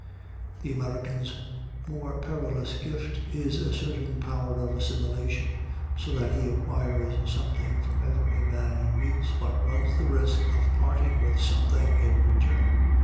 The American's more perilous gift is a certain power of assimilation, so that he acquires something from every man he meets, but runs the risk of parting with something in return.